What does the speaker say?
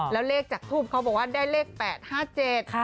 แล้วเลขจากทูปเขาบอกว่าได้เลข๘๕๗